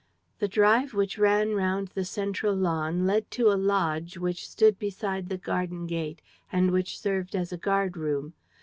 The drive which ran round the central lawn led to a lodge which stood beside the garden gate and which served as a guard room.